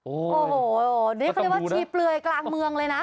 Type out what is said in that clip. โอ้โหนี่เขาเรียกว่าชีเปลือยกลางเมืองเลยนะ